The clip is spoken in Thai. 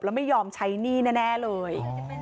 แล้วไม่ยอมใช้หนี้แน่เลย